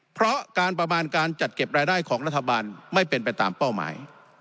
เพราะการประมาณการจัดเก็บรายได้ของรัฐบาลไม่เป็นไปตามเป้าหมาย